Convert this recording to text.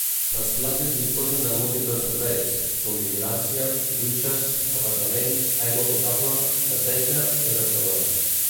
Les platges disposen de múltiples serveis, com vigilància, dutxes, aparcament, aigua potable, neteja i restaurants.